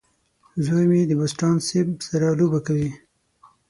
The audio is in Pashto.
زوی مې د بوسټان سیب سره لوبه کوي.